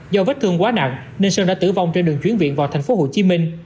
do vết thương quá nặng ninh sơn đã tử vong trên đường chuyển viện vào tp hcm